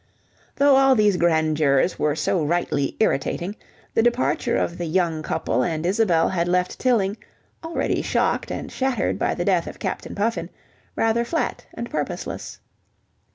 Though all these grandeurs were so rightly irritating, the departure of the "young couple" and Isabel had left Tilling, already shocked and shattered by the death of Captain Puffin, rather flat and purposeless.